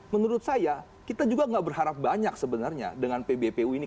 menurut saya kita juga gak berharap banyak sebenarnya dengan pbpu ini